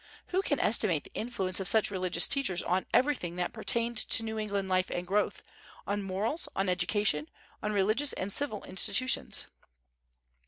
Who can estimate the influence of such religious teachers on everything that pertained to New England life and growth, on morals, on education, on religious and civil institutions!